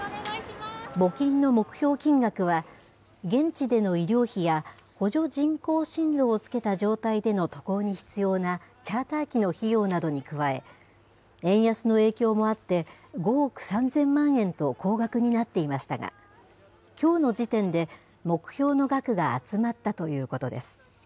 募金の目標金額は、現地での医療費や補助人工心臓をつけた状態での渡航に必要なチャーター機の費用などに加え、円安の影響もあって、５億３０００万円と高額になっていましたが、きょうの時点で目標の額が集まったということです。